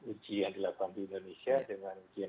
uji yang dilakukan di indonesia dengan uji yang